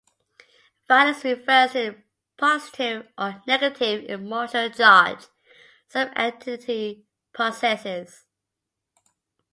"Valence" refers to the "positive" or "negative" emotional charge some entity possesses.